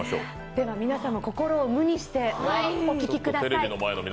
では皆様、心を無にしてお聴きください。